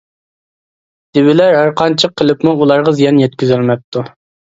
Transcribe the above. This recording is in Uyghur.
دىۋىلەر ھەرقانچە قىلىپمۇ ئۇلارغا زىيان يەتكۈزەلمەپتۇ.